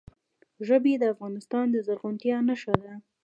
ژبې د افغانستان د زرغونتیا نښه ده.